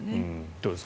どうですか？